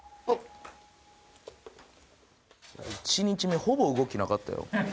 １日目ほぼ動きなかったよ。